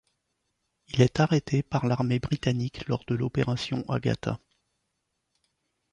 Il est arrêté par l'armée britannique lors de l'opération Agatha.